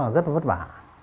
rất vất vả